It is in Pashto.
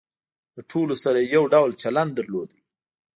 له ټولو سره یې یو ډول چلن درلود.